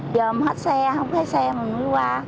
giờ mình hết xe không hết xe mình mới qua